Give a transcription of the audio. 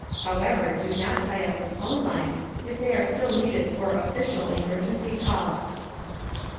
(However, do not tie up the phone lines if they are still needed for official emergency calls.)